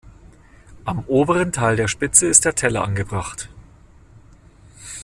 Am oberen Teil der Spitze ist der Teller angebracht.